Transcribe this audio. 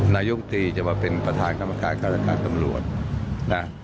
นายกตรีจะมาเป็นประธานคาบริการการการตำรวจ